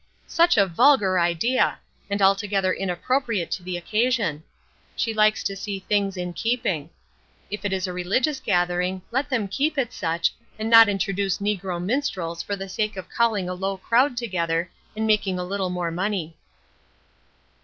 "'Such a vulgar idea! and altogether inappropriate to the occasion. She likes to see things in keeping. If it is a religious gathering let them keep it such, and not introduce negro minstrels for the sake of calling a low crowd together, and making a little more money.'